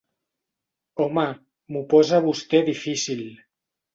Home, m'ho posa vostè difícil.